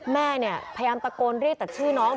แม่เนี่ยพยายามตะโกนเรียกแต่ชื่อน้อง